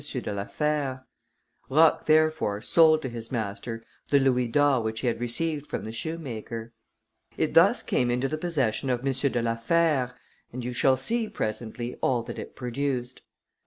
de la Fère. Roch therefore sold to his master the louis which he had received from the shoemaker. It thus came into the possession of M. de la Fère, and you shall see presently all that it produced.